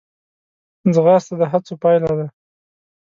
ځغاسته د هڅو پایله ده